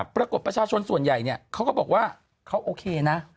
ปรากฏประชาชนส่วนใหญ่เขาก็บอกว่าเขาโอเคนะ